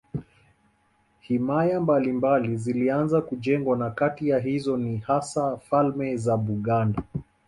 Himaya mbalimbali zilianza kujengwa na kati ya hizo ni hasa falme za Buganda